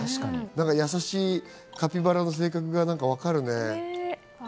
やさしいカピバラの性格がわかるね。